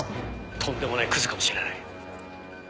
とんでもないクズかもしれない。